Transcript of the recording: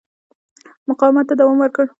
مقاومت ته دوام ورکړ.